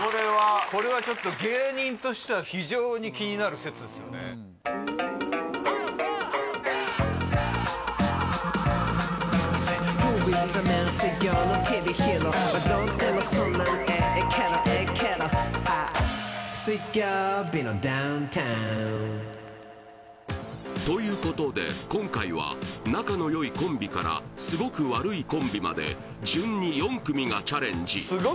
これはちょっと芸人としては非常に気になる説ですよねということで今回は仲の良いコンビからすごく悪いコンビまで順に４組がチャレンジ